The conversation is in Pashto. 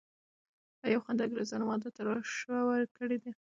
ایوب خان انګریزان مانده ته را شوه کړي دي.